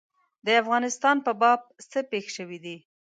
د افغانستان په باب څه پېښ شوي دي.